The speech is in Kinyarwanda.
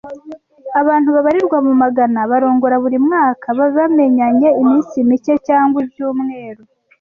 Abantu babarirwa mu magana barongora buri mwaka bamenyanye iminsi mike cyangwa ibyumweru.